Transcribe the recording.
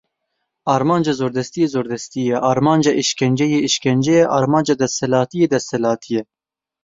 Armanca zordestiyê zordestî ye, armanca êşkenceyê êşkence ye, armanca desthilatiyê desthilatî ye.